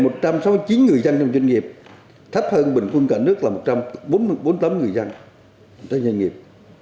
tỷ lệ một trăm sáu mươi chín doanh nghiệp thấp hơn bình quân cả nước là một trăm bốn mươi tám doanh nghiệp